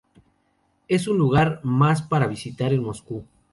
Es un lugar más para visitar en Moscú.